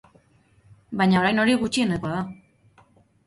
Baina orain hori gutxienekoa da.